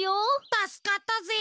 たすかったぜ。